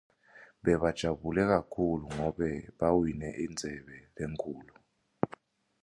Bebajabule kakhulu ngobe bawine indzebe lenkhulu.